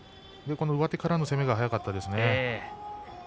上手からの攻めが速かったですね。